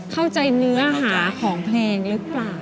เข้าใจเนื้อหาของแพงหรือเปล่า